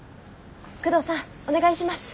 久遠さんお願いします。